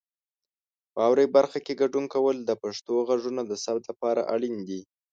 واورئ برخه کې ګډون کول د پښتو غږونو د ثبت لپاره اړین دي.